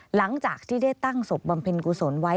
หลังจากที่ได้ตั้งศพบำเพ็ญกุศลไว้